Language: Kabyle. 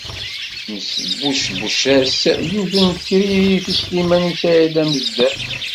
Nesbucbec-as yiwet n tririt i Sliman u Saɛid Amezdat.